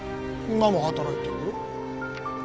今も働いてるよ。